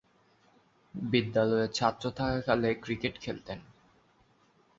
বিদ্যালয়ের ছাত্র থাকাকালে ক্রিকেট খেলতেন।